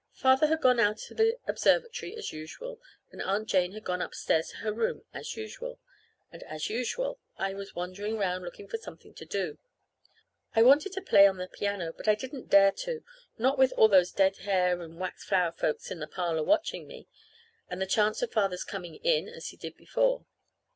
Father had gone out to the observatory as usual, and Aunt Jane had gone upstairs to her room as usual, and as usual I was wandering 'round looking for something to do. I wanted to play on the piano, but I didn't dare to not with all those dead hair and wax flower folks in the parlor watching me, and the chance of Father's coming in as he did before.